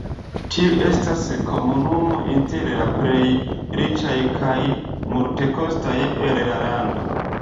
Tiu estas komunumo inter la plej riĉaj kaj multekostaj el la lando.